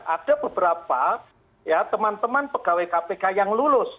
ada beberapa teman teman pegawai kpk yang lulus